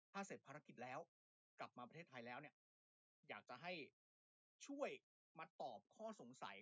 ถ้าเสร็จภารกิจแล้วกลับมาประเทศไทยแล้วเนี่ยอยากจะให้ช่วยมาตอบข้อสงสัย